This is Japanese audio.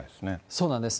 そうなんです。